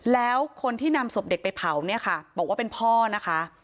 แล้วคนที่นำศพเด็กไปเผาเนี่ยค่ะบอกว่าเป็นพ่อนะคะ